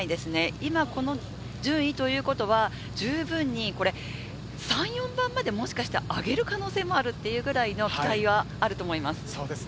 今この順位ということは十分に３４番まで上げる可能性もあるっていうくらいの期待があると思います。